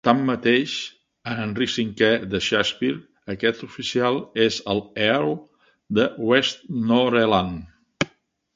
Tanmateix, a "Enric Cinquè" de Shakespeare, aquest oficial és el earl de Westmoreland.